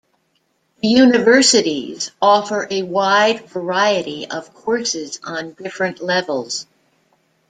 The universities offer a wide variety of courses on different levels.